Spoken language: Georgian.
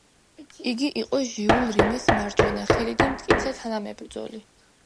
იგი იყო ჟიულ რიმეს მარჯვენა ხელი და მტკიცე თანამებრძოლი.